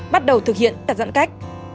bắt đầu thực hiện đặt giãn cách